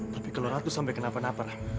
tapi kalau ratu sampai kenapa napa lah